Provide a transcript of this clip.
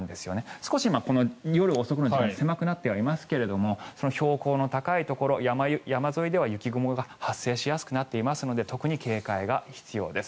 少し夜遅くの時間狭くなってはいますけれど標高の高いところ山沿いでは雪雲が発生しやすくなっていますので特に警戒が必要です。